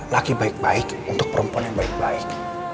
laki baik baik untuk perempuan yang baik baik